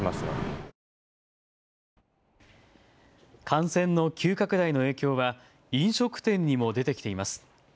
感染の急拡大の影響は飲食店にも出てきています。